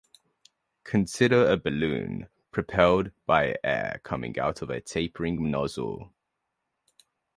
Consider a balloon propelled by air coming out of a tapering nozzle.